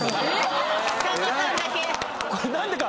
これ何でか。